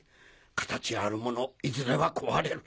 形あるものいずれは壊れる。